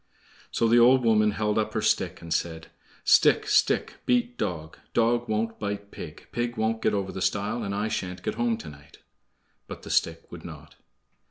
So the old woman held up her stick, and said: "Stick, stick, beat dog; Dog won't bite pig; Pig won't get over the stile, And I sha'n't get home to night." But the stick would not.